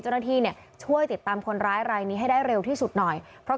เจ้าหน้าที่เนี่ยช่วยติดตามคนร้ายรายนี้ให้ได้เร็วที่สุดหน่อยเพราะ